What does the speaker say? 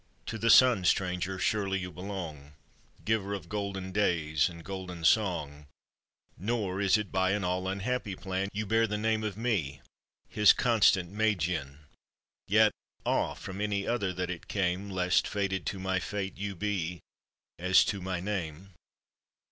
To the Sun, stranger, surely you belong, Giver of golden days and golden song; Nor is it by an all unhappy plan You bear the name of me, his constant Magian. Yet ah! from any other that it came, Lest fated to my fate you be, as to my name.